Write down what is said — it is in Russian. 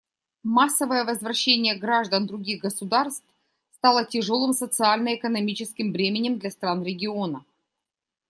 Массовое возвращение граждан других государств стало тяжелым социально-экономическим бременем для стран региона.